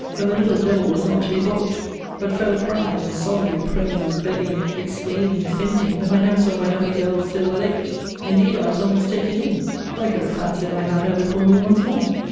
But the little devil was not to be balked; but fell a crying, sobbing, praying, begging, exclaiming, fainting, that I never saw my lovely girl so well aped. Indeed I was almost taken in; for I could have fancied I had her before me once more.